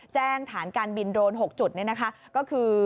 ฐานการบินโดรน๖จุดก็คือ